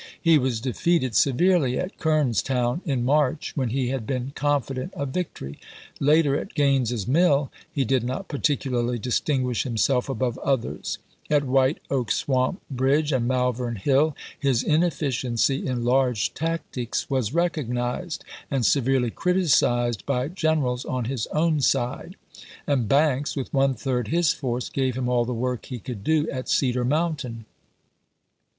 He was defeated severely at Kernstown, in March, when he had been confident of victory; later, at Gaines's Mill, he did not particularly distinguish himself above others ; at White Oak Swamp bridge and Malvern Hill his inefficiency in large tactics was recognized and severely criticized by generals on his own side; and Banks, with one third his force, gave him all the work he could do at Cedar Mountain.